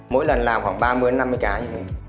mỗi lần làm khoảng ba mươi năm mươi cái